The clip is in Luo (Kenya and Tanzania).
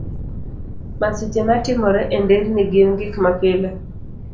Masiche matimore e nderni gin gik mapile.